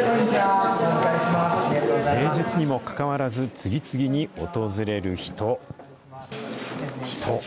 平日にもかかわらず、次々に訪れる人、人、人。